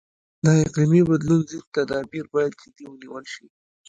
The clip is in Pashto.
د اقلیمي بدلون ضد تدابیر باید جدي ونیول شي.